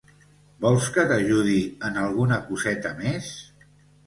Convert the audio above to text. Vols que t'ajudi en alguna coseta més?